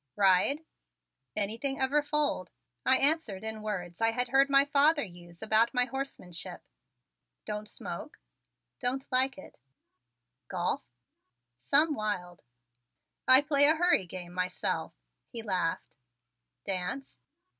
"Ride?" "Anything ever foaled," I answered in words I had heard my father use about my horsemanship. "Don't smoke?" "Don't like it." "Golf?" "Some wild." "I play a hurry game myself," he laughed. "Dance?"